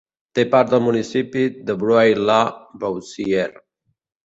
Té part del municipi de Bruay-la-Buissière.